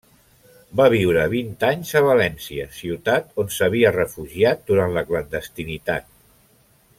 Va viure vint anys a València, ciutat on s'havia refugiat durant la clandestinitat.